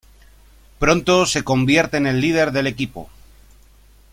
Pronto se convierte en el líder del equipo.